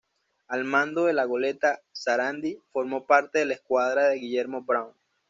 Al mando de la goleta "Sarandí" formó parte de la escuadra de Guillermo Brown.